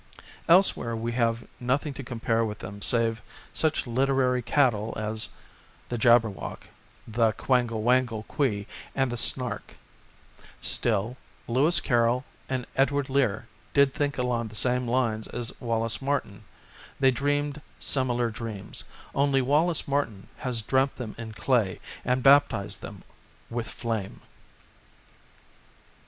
Elsewhere we have nothing to compare with them save such literary cattle as the Jabberwock, the Quangle Wangle Quee and the Snark ; still, Lewis Carroll and Edward Lear did think along the same lines as Wallace Martin; they dreamed similar dreams, only Wallace Martin has dreamt them in clay and baptized them with flame.